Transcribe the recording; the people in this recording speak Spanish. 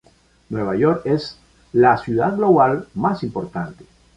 Nueva York es la ciudad global mas importante.